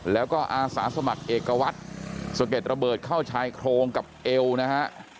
แล้วก็อาสาสมัครเอกวัตรสะเก็ดระเบิดเข้าชายโครงกับเอวนะฮะ